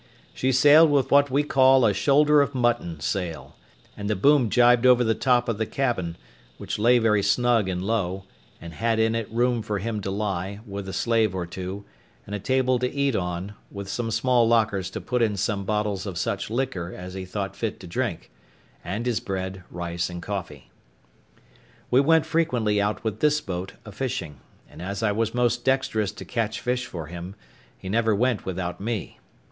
She sailed with what we call a shoulder of mutton sail; and the boom jibed over the top of the cabin, which lay very snug and low, and had in it room for him to lie, with a slave or two, and a table to eat on, with some small lockers to put in some bottles of such liquor as he thought fit to drink; and his bread, rice, and coffee. We went frequently out with this boat a fishing; and as I was most dexterous to catch fish for him, he never went without me.